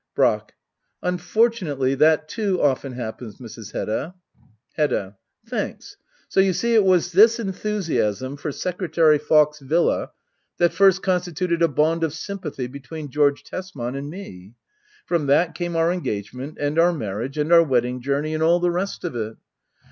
Brack. Unfortunately that too often happens^ Mrs. Hedda. Hedda. Thanks! So you see it was this enthusiasm for Secretary FaUc's villa that first constituted a bond of sympathy between George Tesman and me. From that came our engagement and our marriage^ and our wedding journey^ and all the rest of it.